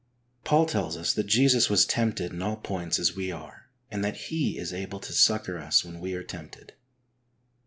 Paul tells us that Jesus was tempted in all points as we are, and that He is able to succour us when we are tempted.